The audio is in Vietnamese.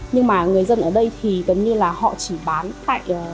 nhưng mà người dân ở đây thì gần như là họ chỉ bán tại